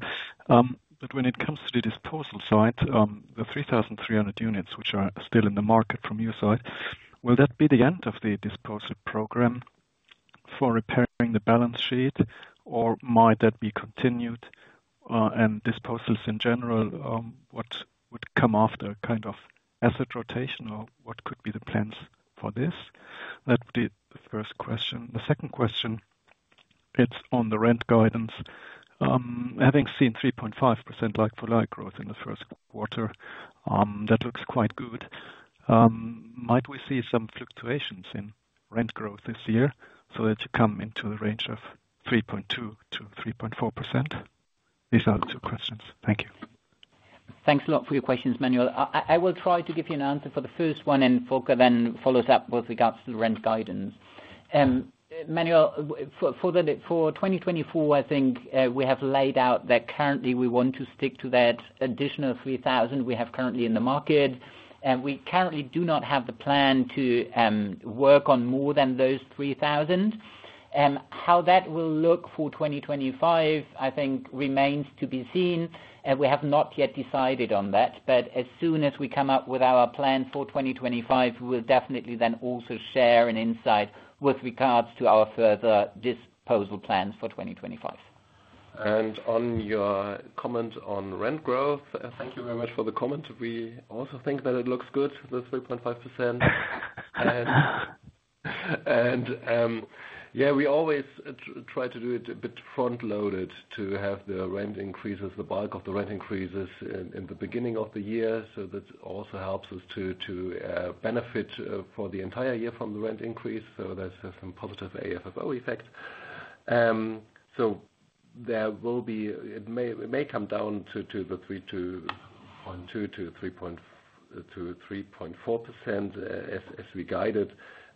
O: But when it comes to the disposal side, the 3,300 units, which are still in the market from your side, will that be the end of the disposal program for repairing the balance sheet, or might that be continued, and disposals in general, what would come after kind of asset rotation, or what could be the plans for this? That's the first question. The second question, it's on the rent guidance. Having seen 3.5% like-for-like growth in the first quarter, that looks quite good. Might we see some fluctuations in rent growth this year so that you come into the range of 3.2%-3.4%? These are the two questions. Thank you.
C: Thanks a lot for your questions, Manuel. I will try to give you an answer for the first one, and Volker then follows up with regards to the rent guidance. Manuel, for 2024, I think we have laid out that currently we want to stick to that additional 3,000 we have currently in the market. And we currently do not have the plan to work on more than those 3,000. How that will look for 2025, I think remains to be seen, and we have not yet decided on that. But as soon as we come up with our plan for 2025, we will definitely then also share an insight with regards to our further disposal plans for 2025.
D: On your comment on rent growth, thank you very much for the comment. We also think that it looks good, the 3.5%. Yeah, we always try to do it a bit front loaded to have the rent increases, the bulk of the rent increases in the beginning of the year. So that also helps us to benefit for the entire year from the rent increase. So there's some positive AFFO effects. So there will be. It may come down to the 3.2%-3.4%, as we guided,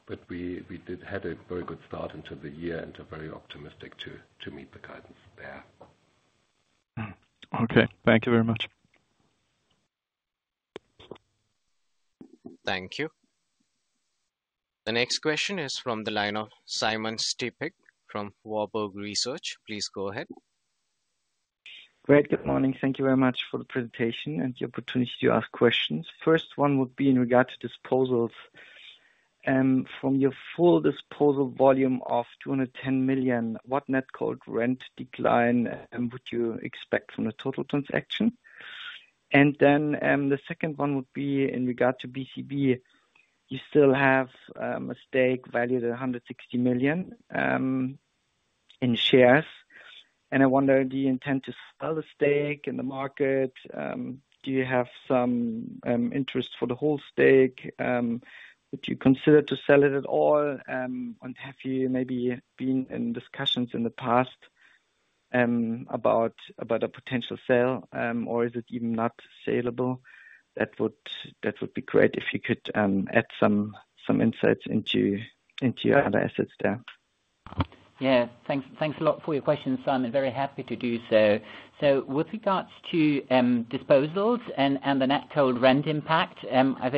D: but we did have a very good start into the year and are very optimistic to meet the guidance there.
O: Mm-hmm. Okay. Thank you very much.
A: Thank you. The next question is from the line of Simon Stippig from Warburg Research. Please go ahead.
P: Great. Good morning. Thank you very much for the presentation and the opportunity to ask questions. First one would be in regard to disposals. From your full disposal volume of 210 million, what net cold rent decline would you expect from the total transaction? And then, the second one would be in regard to BCP. You still have a stake valued at 160 million in shares, and I wonder, do you intend to sell the stake in the market? Do you have some interest for the whole stake? Would you consider to sell it at all, and have you maybe been in discussions in the past about a potential sale? Or is it even not saleable? That would be great if you could add some insights into your other assets there.
C: Yeah. Thanks, thanks a lot for your questions, Simon. Very happy to do so. So with regards to disposals and the net cold rent impact, I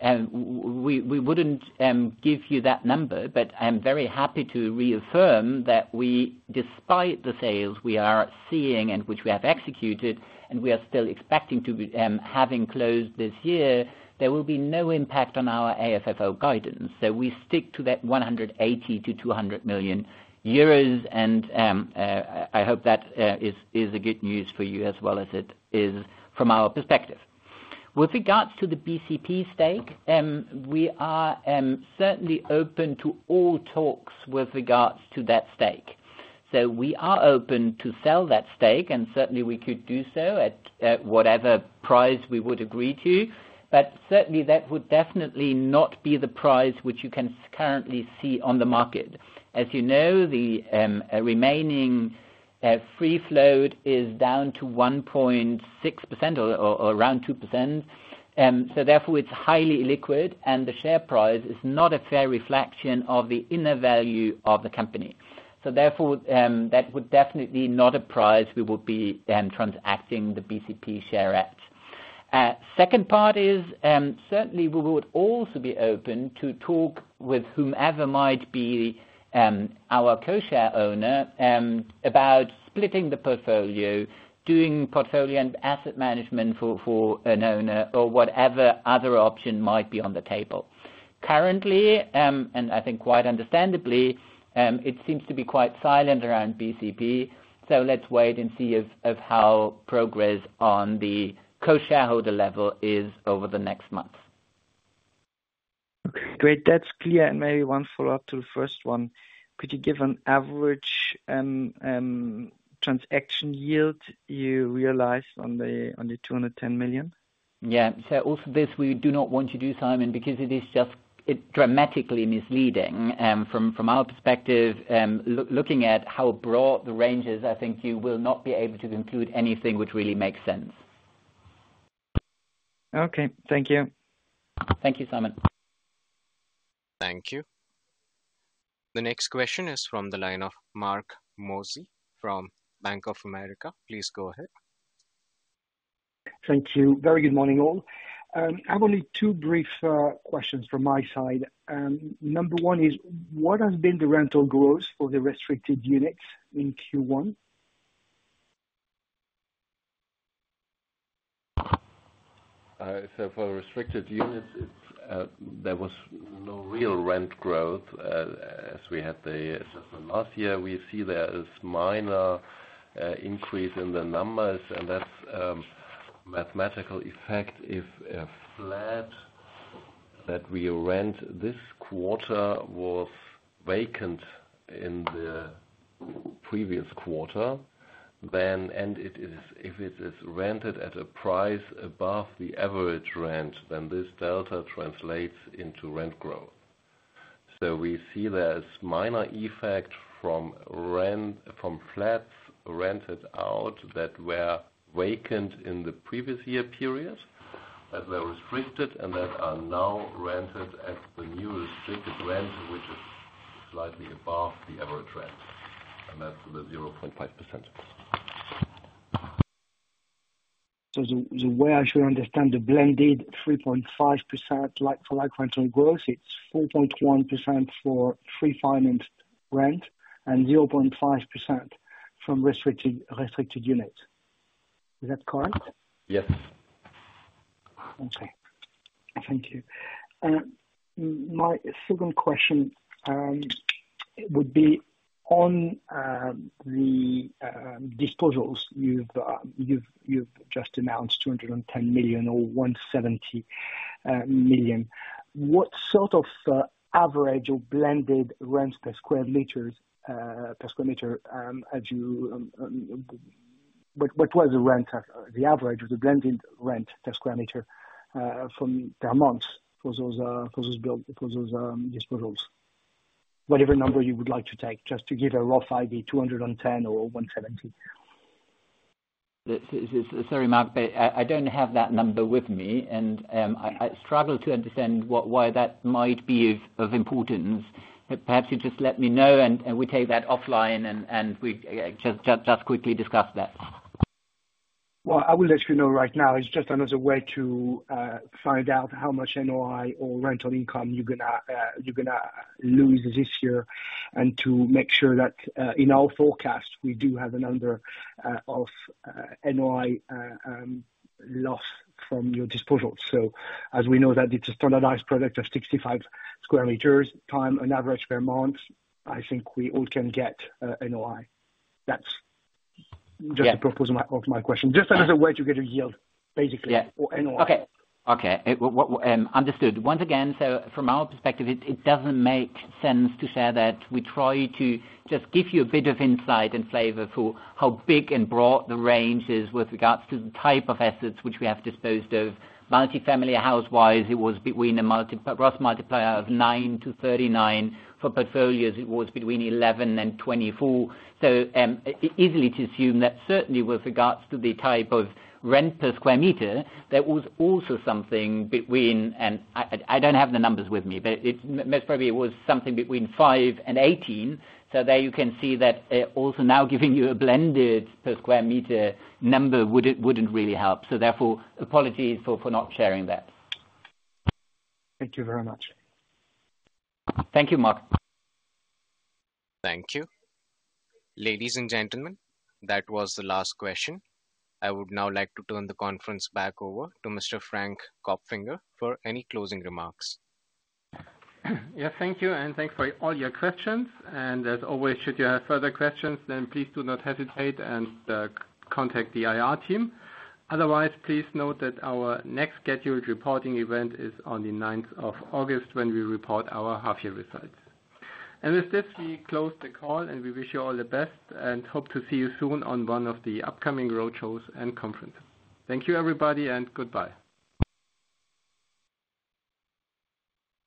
C: think we wouldn't give you that number, but I'm very happy to reaffirm that we, despite the sales we are seeing and which we have executed, and we are still expecting to be having closed this year, there will be no impact on our AFFO guidance. So we stick to that 180 million-200 million euros and I hope that is good news for you as well as it is from our perspective. With regards to the BCP stake, we are certainly open to all talks with regards to that stake. So we are open to sell that stake, and certainly, we could do so at, at whatever price we would agree to. But certainly, that would definitely not be the price which you can currently see on the market. As you know, the remaining free float is down to 1.6% or, or, or around 2%. So therefore it's highly illiquid, and the share price is not a fair reflection of the inner value of the company. So therefore, that would definitely not a price we would be transacting the BCP share at. Second part is, certainly we would also be open to talk with whomever might be our co-share owner, about splitting the portfolio, doing portfolio and asset management for an owner or whatever other option might be on the table... Currently, and I think quite understandably, it seems to be quite silent around BCP, so let's wait and see if, of how progress on the co-shareholder level is over the next month.
P: Okay, great. That's clear, and maybe one follow-up to the first one. Could you give an average transaction yield you realized on the 210 million?
C: Yeah. So also, this we do not want to do, Simon, because it is just, it dramatically misleading. From our perspective, looking at how broad the range is, I think you will not be able to conclude anything which really makes sense.
P: Okay, thank you.
C: Thank you, Simon.
A: Thank you. The next question is from the line of Marc Mozzi from Bank of America. Please go ahead.
Q: Thank you. Very good morning, all. I have only two brief questions from my side. Number one is, what has been the rental growth for the restricted units in Q1?
D: So for restricted units, it, there was no real rent growth, as we had the, as last year. We see there is minor, increase in the numbers, and that's, mathematical effect. If a flat that we rent this quarter was vacant in the previous quarter, then... And it is, if it is rented at a price above the average rent, then this delta translates into rent growth. So we see there is minor effect from rent, from flats rented out that were vacant in the previous year period, that were restricted and that are now rented at the new restricted rent, which is slightly above the average rent, and that's the 0.5%.
Q: So the way I should understand, the blended 3.5%, like-for-like rental growth, it's 4.1% for free financed rent and 0.5% from restricted units. Is that correct?
D: Yes.
Q: Okay. Thank you. My second question would be on the disposals you've just announced, 210 million or 170 million. What sort of average or blended rents per square meters per square meter as you... What was the rent the average or the blended rent per square meter from per month for those for those build for those disposals? Whatever number you would like to take, just to give a rough idea, 210 or 170.
C: Sorry, Marc, but I don't have that number with me, and I struggle to understand why that might be of importance. Perhaps you just let me know, and we take that offline and we just quickly discuss that.
Q: Well, I will let you know right now, it's just another way to find out how much NOI or rental income you're gonna lose this year, and to make sure that in our forecast, we do have a number of NOI loss from your disposals. So as we know that it's a standardized product of 65 square meters, time on average per month, I think we all can get a NOI. That's.
C: Yeah.
Q: Just the purpose of my, of my question. Just another way to get a yield, basically.
C: Yeah.
Q: Or NOI.
C: Okay. Okay, understood. Once again, so from our perspective, it, it doesn't make sense to share that. We try to just give you a bit of insight and flavor for how big and broad the range is with regards to the type of assets which we have disposed of. Multifamily house-wise, it was between a gross multiplier of 9-39. For portfolios, it was between 11-24. So, easily to assume that certainly with regards to the type of rent per square meter, there was also something between, and I, I don't have the numbers with me, but it, most probably it was something between 5-18. So there you can see that, also now giving you a blended per square meter number wouldn't, wouldn't really help, so therefore, apologies for, for not sharing that.
Q: Thank you very much.
C: Thank you, Marc.
A: Thank you. Ladies and gentlemen, that was the last question. I would now like to turn the conference back over to Mr. Frank Kopfinger for any closing remarks.
B: Yeah, thank you, and thanks for all your questions. As always, should you have further questions, then please do not hesitate and contact the IR team. Otherwise, please note that our next scheduled reporting event is on the 9th of August, when we report our half-year results. And with this, we close the call, and we wish you all the best and hope to see you soon on one of the upcoming road shows and conference. Thank you, everybody, and goodbye.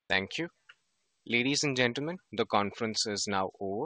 A: Thank you. Ladies and gentlemen, the conference is now over.